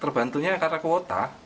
terbantunya karena kuota